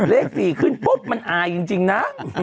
เลขสี่ขึ้นปุ๊บมันอาจจริงจริงนะ